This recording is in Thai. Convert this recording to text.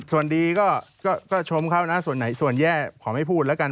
ส่วนดีก็ชมเขานะส่วนแย่ขอไม่พูดละกัน